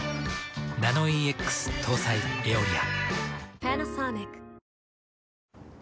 ナノイーＸ搭載「エオリア」。